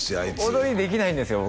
踊りできないんですよ